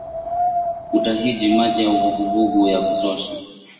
utahiji Maji ya uvuguvugu ya kutosha